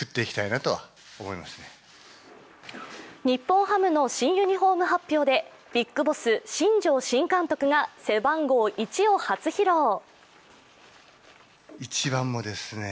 日本ハムの新ユニフォーム発表で、ビッグボス新庄新監督が背番号１を初披露。